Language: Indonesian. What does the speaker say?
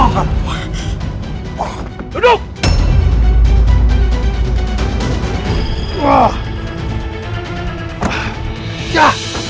kathir ikut kudungan lu satu